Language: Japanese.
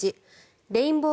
レインボー